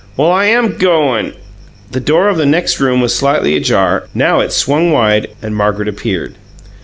"Well, I AM goin' " The door of the next room was slightly ajar; now it swung wide, and Margaret appeared.